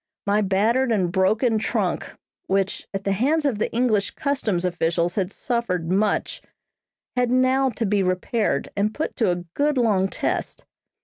My battered and broken trunk, which, at the hands of the English customs officials had suffered much, had now to be repaired and put to a good long test.